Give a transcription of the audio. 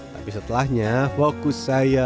tapi setelahnya fokus saya